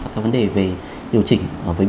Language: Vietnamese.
có vấn đề về điều chỉnh với